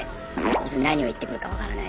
いつ何を言ってくるか分からない。